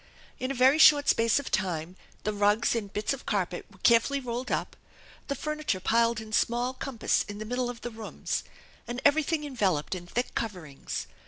In a very short space of time the rugs and bits of carpet were carefully rolled up, the furniture piled in small compass in the middle of the rooms, and everything enveloped in thick coverings.